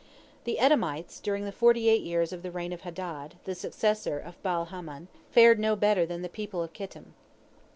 The Edomites, during the forty eight years of the reign of Hadad, the successor of Baal Hamon, fared no better than the people of Kittim.